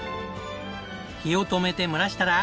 火を止めて蒸らしたら。